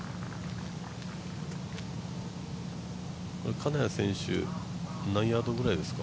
金谷選手は何ヤードぐらいですか？